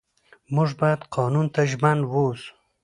موږ باید قانون ته ژمن واوسو